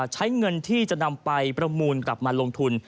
ใช้เงินที่จะนำไปประมูลกลับมาลงทุน